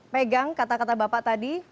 pegang kata kata bapak tadi